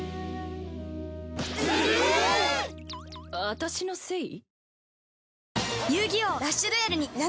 私のせい？